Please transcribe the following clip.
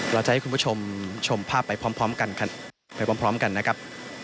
เราจะให้คุณผู้ชมชมภาพไปพร้อมกันนะครับ